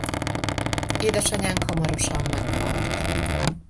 Édesanyánk hamarosan meghalt.